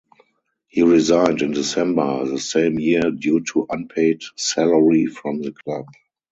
He resigned in December the same year due to unpaid salary from the club.